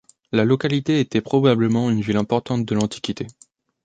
La localité était probablement une ville importante de l'Antiquité.